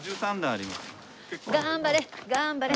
頑張れ！